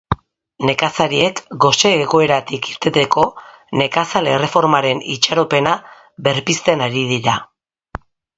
Nekazariek gose egoeratik irteteko nekazal erreformaren itxaropena berpizten ari dira.